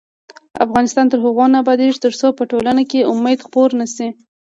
افغانستان تر هغو نه ابادیږي، ترڅو په ټولنه کې امید خپور نشي.